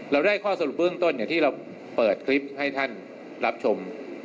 เราได้ข้อสรุปเบื้องต้นที่เราเปิดคลิปให้ท่านรับชม